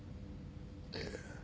ええ。